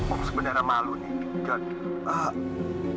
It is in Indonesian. om sebenarnya malu nih